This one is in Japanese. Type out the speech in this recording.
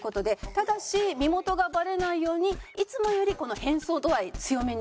ただし身元がバレないようにいつもよりこの変装度合い強めにしていただいています。